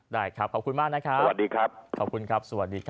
ได้ครับขอบคุณมากนะครับสวัสดีครับขอบคุณครับสวัสดีครับ